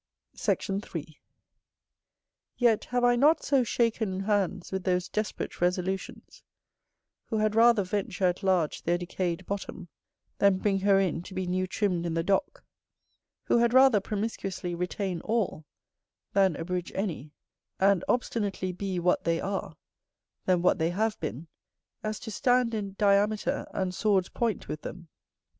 Sect. 3. Yet have I not so shaken hands with those desperate resolutions who had rather venture at large their decayed bottom, than bring her in to be new trimmed in the dock, who had rather promiscuously retain all, than abridge any, and obstinately be what they are, than what they have been, as to stand in diameter and sword's point with them.